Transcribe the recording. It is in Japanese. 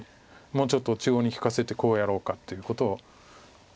もうちょっと中央に引かせてこうやろうかということを考えてる。